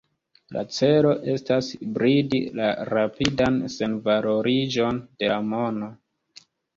La celo estas bridi la rapidan senvaloriĝon de la mono.